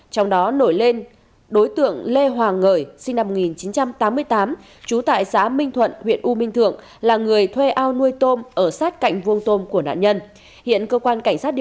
trong đó nổi lên đối tượng lê hoàng ngợi sinh năm một nghìn chín trăm tám mươi tám chú tại xã minh thuận huyện u minh thượng là người thuê ao nuôi tôm ở sát